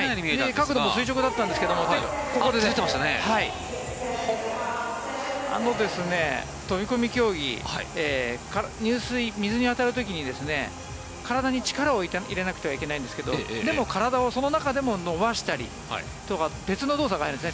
角度も垂直だったんですけど飛込競技、入水、水に当たる時に体に力を入れなくてはいけないんですけどでも体をその中でも伸ばしたりとか別の動作が入るんですね